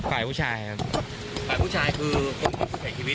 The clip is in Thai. แล้วเขาส่งรูปมายั่วยวน